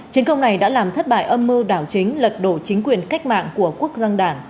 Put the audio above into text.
chiến công này đã làm thất bại âm mưu đảo chính lật đổ chính quyền cách mạng của quốc dân đảng